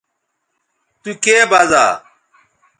تو کے بزا